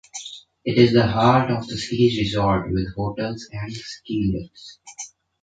It is the heart of the ski resort with hotels and ski lifts.